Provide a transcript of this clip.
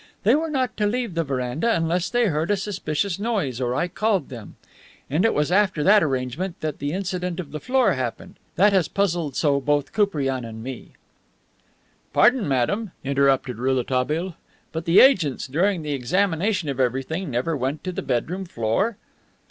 They were not to leave the veranda unless they heard a suspicious noise or I called to them. And it was after that arrangement that the incident of the floor happened, that has puzzled so both Koupriane and me." "Pardon, madame," interrupted Rouletabille, "but the agents, during the examination of everything, never went to the bedroom floor?"